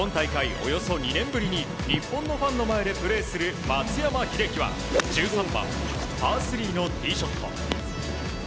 およそ２年ぶりに日本のファンの前でプレーする松山英樹は１３番パー３のティーショット。